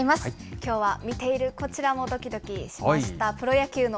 きょうは見ているこちらもどきどきしました。